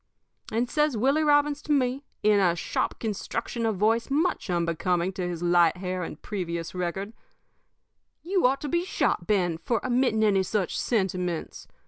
"And says Willie Robbins to me, in a sharp construction of voice much unbecoming to his light hair and previous record: "'You ought to be shot, Ben, for emitting any such sentiments.